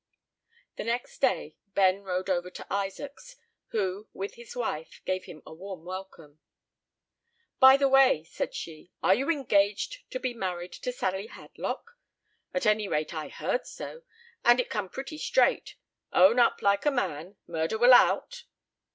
The next day Ben rode over to Isaac's, who, with his wife, gave him a warm welcome. "By the way," said she, "are you engaged to be married to Sally Hadlock? At any rate, I heard so, and it come pretty straight; own up like a man; murder will out."